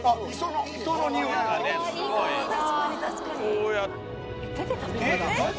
こうやって。